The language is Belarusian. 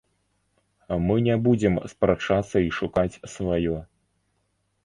Мы не будзем спрачацца і шукаць сваё.